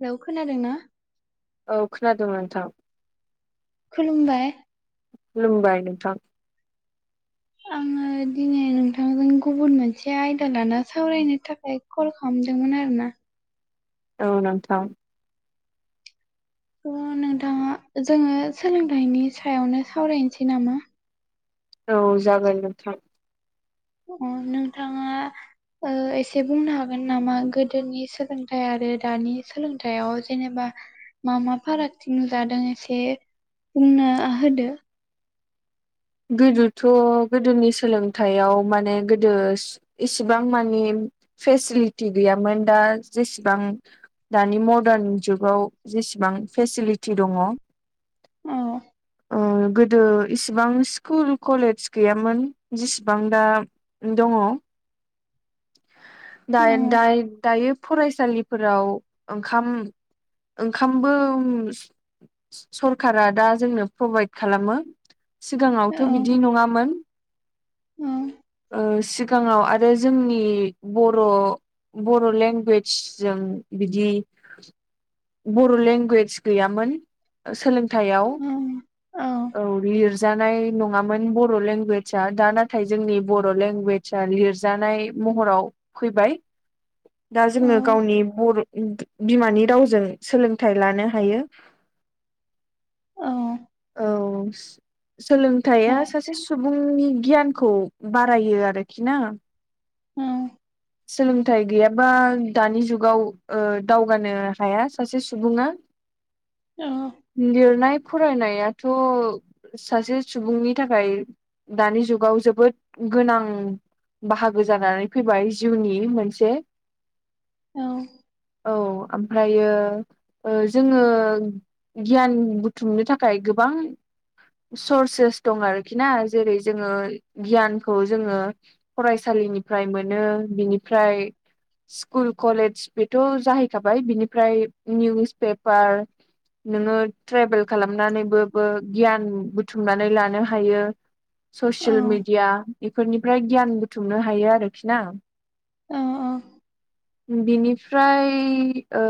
Hello खोनादों ना? औ खोनादों नोंथां। खुलुमबाय खुलुमबाय नोंथां। आङो दिनै नोंथांजों गुबुन मोनसे आयदा लाना सावरायनो थाखाय कल खालामदोंमोन आरो ना। औ नोंथां। थ' नोंथां जोङो सोलोंथाइनि सायावनो सावरायनोसै नामा? औ जागोन नोंथां। अ नोंथाङा एसे बुंनो हागोन नामा गोदोनि सोलोंथाइ आरो दानि सोलोंथायाइयाव जेनेबा मा मा फारागथि नुजादों एसे बुंना होदो। गोदोथ' गोदोनि सोलोंथाइयाव माने गोदो सु इसेबां मानि फेसिलिटि गैयामोन दा जेसेबां दानि मदार्न जुगाव जेसेबां फेसिलिटि दङ। औ उम गोदो इसिबां सि स्कुल कलेज गैयामोन जिसिबां दा दङ। औ दाय दायो दायो फरायसालिफोराव ओंखाम ओंखामबो सरखारा दा जोंनो प्रभाइद खालामो सिगाङाव औ नङामोन उम सिगाङाव आरो जोंनि बर' बर' लेंगुवेजजों बिदि बर' लेंगुवेज गैयामोन। सोलोंथायाइयाव औ लिरजानाय नङ नङामोन बर' लेंगुवेजआ दा नाथाय जोंनि बर' लेंगुवेजआ लिरजानाय महराव फैबाय। [inaudible] दा जोङो औ गावनि बर' बिमानि रावजों सोलोंथाइ लानो हायो। औ सोलोंथाइया सासे सु सुबुंनि गियानखौ बारायो आरोखि ना। उम सोलोंथाइ गैयाबा दानि जुगाव दावगानो हाया सासे सुबुङा। औ लिरनाय फरायनायाथ' सासे सुबुंनि थाखाय दानि जुगाव जोबोद गोनां बाहागो जानानै फैबाय जिउनि मोनसे औ औ ओमफ्रायो ओ जोङो गियान बुथुमनो थाखाय गोबां सर्सेस दं आरोखि ना जेरै जोङो गियानखौ जोङो फरायसालिनिफ्राय मोनो बिनिफ्राय स्कुल कलेज बेथ' जाहैखाबाय बिनिफ्राय निउस पेपार नोङो ट्रेभेल खालामनानैबोबो गियान बु बुथुमनानै लानो हायो औ ससियेल मिडिया बेफोरनिफ्राय गियान बुथुमनो हायो आरोखि ना। अ अ। बिनिफ्राय ओ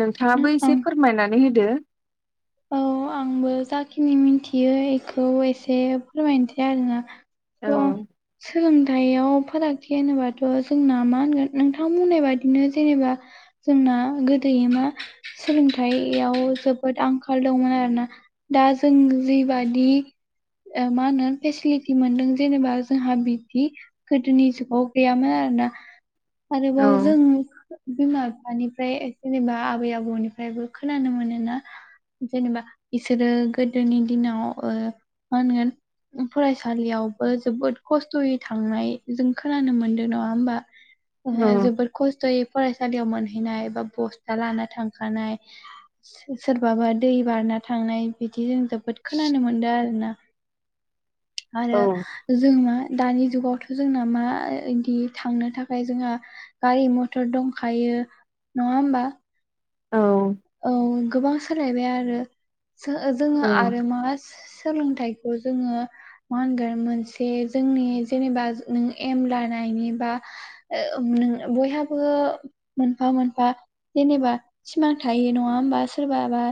नोंथाङाबो एसे ओं फोरमायनानै होदो। औ आंबो जाखिनि मिथियो एखौ एसे फोरमायनोसै आरोना। औ अ। सोलोंथाइयाव फारागथि होनोबाथ' जोंना मा होनगोन नोंथां बुंनाय बादिनो जेनेबा जोंना गोदोयो मा सोलोंथाइयाव जोबोद आं खाल दंमोन आरोना दा जों जिबादि ओ मा होनो फेसिलिटि मोनदों जेनेबा जोंहा बिदि गोदोनि जुगाव गैयामोन आरोना औ आरोबाव जों बिमा फिफानिफ्राय जेनेबा आबै आबौनिफ्रायबो खोनानो मोनोना। जेनेबा इसोरो गोदोनि दिनाव ओ मा होनगोन फरायसालियावबो जोबोद खस्थ'यै थांनाय जों खोनानो मोनदों नङा होमबा। औ जोबोर खस्थ'यै फरायसालियाव मोनहैनाय बा बस्था लाना थांखानाय सोरब बाबा दै बारना थांनाय बिदि जों जोबोद खोनानो मोनदो आरोना। आरो जों मा दानि जुगावथ' जोंना मा इदि थांनो थाखाय जोंहा गारि मथर दंखायो नङा होमबा। औ। औ गोबां सोलायबाय आरो जोङो आरो मा सोलोंथाइ खौ जोङो मा होनगोन मोनसे जोंनि जेनेबा नों एम लानायनि बा ओ नो बयहाबो मोनफा मोनफा जेनेबा सिमां थायो नङा होमबा सोरबाबा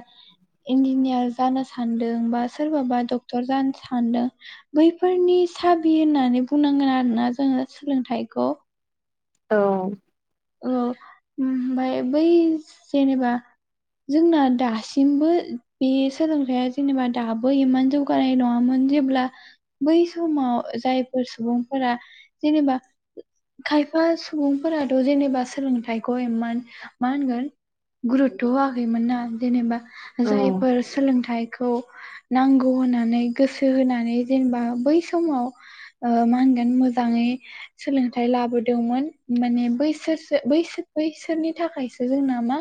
इन्जिनियार जानो सानदों बा सोरबाबा डक्टर जानो सानदों। बैफोरनि साबि होननानै बुंनांगोन आरोना जोङो सोलोंथाइखौ। औ। औ ओमफाय बै जेनेबा जोंना दासिमबो बे सोलोंथाइया जेनेबा दाबो एमान जौ गानाय नङामोन जेब्ला बै समाव जायफोर सुबुंफोरा जेनेबा खायफा सुबुंफोराथ' जेनेबा सोलोंथाइखौ एमान मा होनगोन गुरुत्थ' होआखैमोन ना जेनेबा औ जायफोर सोलोंथाइखौ नांगौ होननानै गोसो होनानै जेनेबा बै समाव ओ मा होनगोन मोजाङै सोलोंथाइ लाबोदोंमोन माने बैसोरसो बैसोर बैसोरनि थाखायसो जोंना मा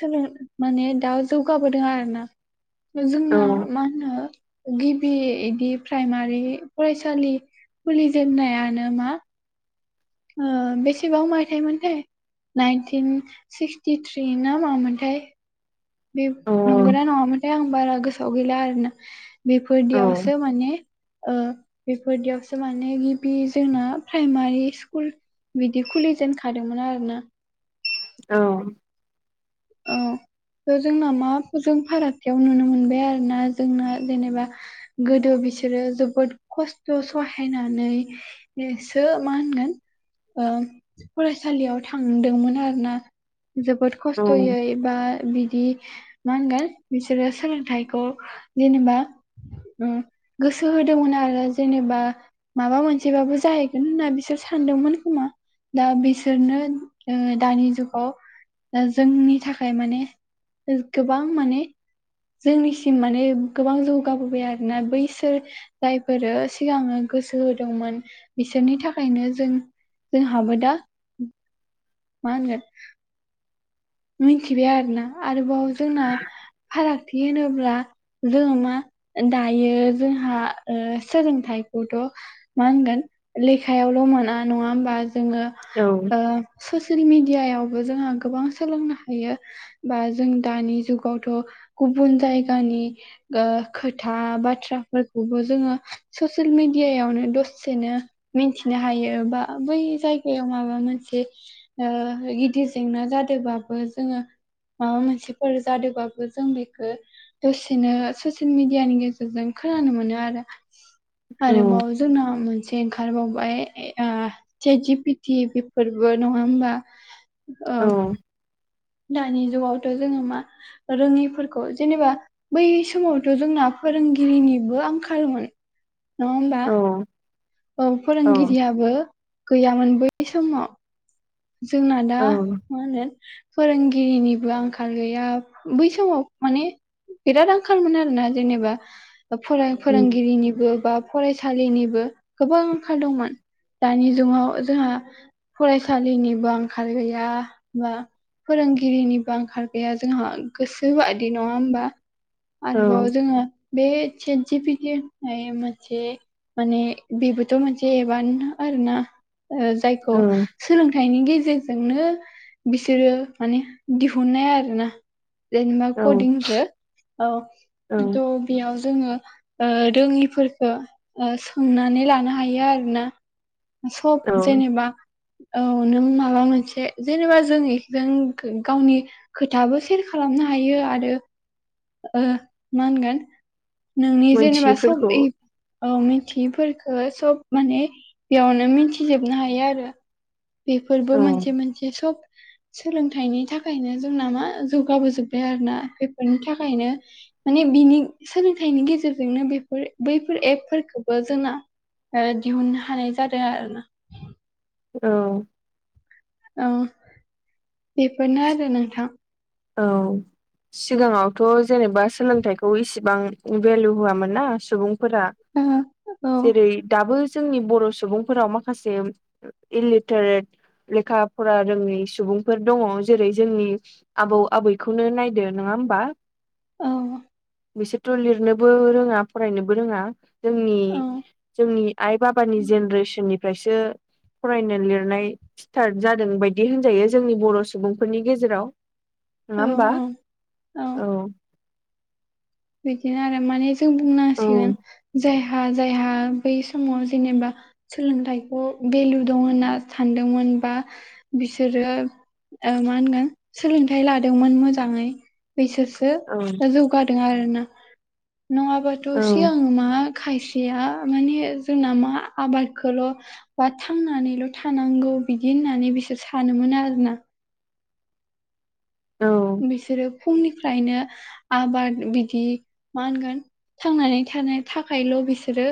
सोलों माने दा जौगाबोदों आरोना औ जोंना मा नो गिबि इदि प्राइमारि फरायसालि खुलि जेननायानो मा ओ बेसेबां माइथाइमोनथाय। नाइनटिन सिक्सटिथ्रि ना मामोनथाय। बे नंगोना नङामोनथाय आं बारा गोसोआव गैला आरोना। बेफोरदियावसो माने ओ बेफोरदियावसो माने गिबि जोंना प्राइमारि स्कुल बिदि खुलिजेनखादोमोन आरोना। औ। औ जोंना मा जों फारागथियाव नुनो मोनबाय आरोना जोंना जेनेबा गोदो बिसोरो जोबोद खस्थ' सहायनानै मा होनगोन फरायसालियाव थांदोंमोन आरोना जोबोद खस्थ'यै बा बिदि नांगोन बिसोरो सोलोंथाइखौ जेनेबा गोसो होदोंमोन आरो जेनेबा माबा मोनसेबाबो जाहैगोन होनना बिसोर सानदोंमोन खोमा दा बिसोरनो दानि जुगाव जोंनि थाखाय माने गोबां माने जोंनिसिम माने गोबां जौगाबोबाय आरोना बैसोर जायफोरो सिगाङनो गोसो होदोंमोन बिसोरनि थाखायनो जों जोंहाबो दा मा होनगोन मिथिबाय आरोना आरोबाव जोंना फारागथि होनोब्ला जोङो मा दायो जोंहा सोलोंथाइखौथ' मा होनगोन लेखायावल' मोना नङा होमबा जोङो ससियेल मिडियावबो जोंहा गोबां सोलोंनो हायो बा जों दानि जुगावथ' गुबुन जायगानि खोथा बाथ्राफोरखौबो जोङो ससियेल मिडियावनो दसेनो मिथिनो हायो बा बै जायगायाव माबा मोनसे गिदिर जेंना जादोंबाबो जोङो माबा मोनसेफोर जादोंबाबो जों बेखौ दसेनो ससियेल मिडियानि गेजेरजों खोनानो मोनो आरो आरोबाव जोंनाव मोनसे ओंखारबावबाय ओ सात जे जि पिथि बेफोरबो नङा होमबा दानि जुगावथ' जोङो मा रोङिफोरखौ जेनेबा बै समावथ' जोंना फोरोंगिरिनिबो आंखालमोन नङा होमबा अ औ फोरोंगिरियाबो गैयामोन बै समाव जोंना दा मा होनो फोरोंगिरिनिबो आंखाल गैया बै समाव माने बिराद आंखालमोन आरोना जेनेबा फोरोंगिरिनिबो बा फरायसालिनिबो गोबां ओंखाल दंमोन दानि जुगाव जोंहा फराय सालिनिबो आंखाल गैया बा फोरोंगिरिनिबो आंखार गैया जोंहा गोसोोबायि नङा होमबा आरो बाव औ जोंङो सातजेपिटि होननाय मोनसे माने बेबोथ' मोनसे एबानो आरो ना जायखौ औ सोलोंथाइनि गेजेरजोंनो बिसोरो माने दिहुननाय आरो ना दे नोंना औ कदिंसो बेयाव जोङो रोङिफोरखौ सोंनानै लानो हायो आरोना सब औ जेनेबा औ नों माबा मोनसे जेनेबा जों एकप्लेनजों गावनि खोथाबो सेयार खालामनो हायो आरो ओ मा होनगोन नोंनि जेनेबा मोनथियैफोरखौ सब औ मिथियैफोरखौ सब माने बेयावनो मिथिजोबनो हायो आरो बेफोरबो औ मोनसे मोनसे सब सोलोंथाइनि थाखायनो जोंना मा जौगाबोजोब्बाय आरो ना बेफोरोनि थाखायनो माने बिनि सोलोंथाइनि गेजेरजोंनो बेफोर बैफोर एपफोरखौबो जोंना दिहुननो हानाय जादों आरो ना औ औ बेफोरनो आरो नोंथां। औ सिगाङावथ' जेनेबा सोलोंथाइखौ इसिबां भेलु होआमोन ना सुबुंफोरा। ओ औ जेरै दाबो जोंनि बर' सुबुंफोराव माखासे इलिटारेट लेखा फरा रोङै सुबुंफोर दङ जेरै जोंनि आबौ आबैखौनो नायदो नङा होमबा। औ बिसोरथ' लिरनोबो रोङा फरायनोबो रोङा। जोंनि औ जोंनि आइ बाबानि जेनेरेसननिफ्रायसो फरायनो लिरनाय स्टार्ट जादों बायदि होनजायो जोंनि बर' सुबुंफोरनि गेजेराव। नङा औ होमबा? औ औ बिदिनो आरो माने जों औ बुंनांसिगोन जायहा जायहा बै समाव जेनेबा सोलोंथाइखौ भेलु दं होनना सानदोंमोन बा बिसोरो ओ मा होनगोन सोलोंथाइ लादोंमोन मोजाङै बैसोरसो औ दा जौगादों आरोना। नङाबाथ' औ सिगां मा खायसेया माने जोंना मा आबादखौल' बा थांनानैल' थानांगौ बिदि होननानै बिसोर सानोमोन आरोना औ बिसोरो फुंनिफ्रायनो आबाद बिदि मा होनगोन थांनानै थानो थाखायल' बिसोरो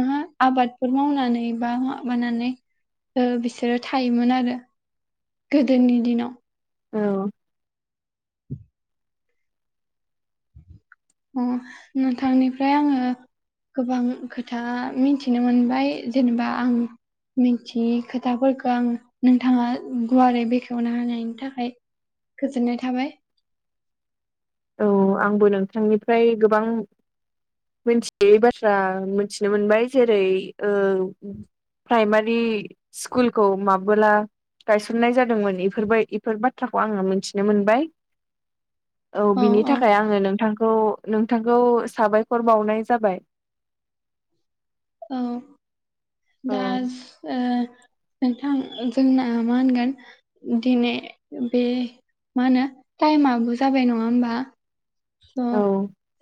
मा आबादफोर मावनानै बा माबानानै ओ बिसोरो थायोमोन आरो गोदोनि दिनाव। औ अ नोंथांनिफ्राय आङो गोबां खोथा मिथिनो मोनबाय जेनेबा आं मिथियि खोथाफोरखौ आं नोंथाङा गुवारै बेखेवना होनायनि थाखाय गोजोननाय थाबाय औ आंबो नोंथांनिफ्राय गोबां मिथियै बाथ्रा मिथिनो मोनबाय जेरै ओ प्राइमारि स्कुलखौ माबोला गायसननाय जादोंमोन बेफोरबाय बेफोर बाथ्राखौ आङो मिथिनो मोनबाय औ बिनि थाखाय आङो नोंथांखौ नोंथांखौ साबायखर बावनाय जाबाय। औ औ दा ओ नोंथां जोंना मा होनगोन? दिनै बे माहोनो टाइमाबो जाबाय नङा होमबा? स औ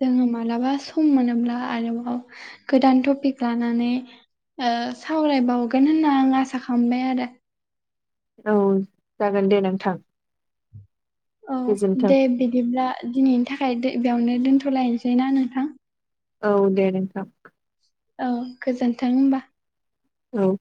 जोङो मालाबा सम मोनोब्ला आरोबाव गोदान टपिक लानानै ओ सावरायबावगोन होनना आं आसा खालामबाय आरो। औ जागोन दे नोंथां। औ गोजोन्थों दे बिदिब्ला दिनैनि थाखाय दो-बेयावनो दोन्थ'लायसै ना नोंथां। औ दे नोंथां। औ गोजोन्थों होमबा औ